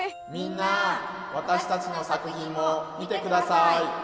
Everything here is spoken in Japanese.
みんなわたしたちの作品も見て下さい！